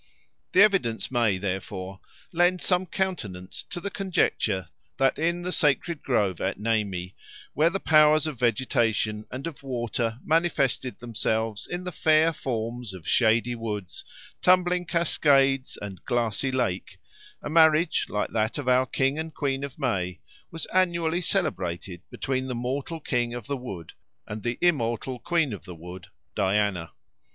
The evidence may, therefore, lend some countenance to the conjecture that in the sacred grove at Nemi, where the powers of vegetation and of water manifested themselves in the fair forms of shady woods, tumbling cascades, and glassy lake, a marriage like that of our King and Queen of May was annually celebrated between the mortal King of the Wood and the immortal Queen of the Wood, Diana.